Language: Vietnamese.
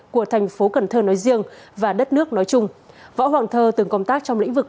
của thành phố cần thơ nói riêng và đất nước nói chung võ hoàng thơ từng công tác trong lĩnh vực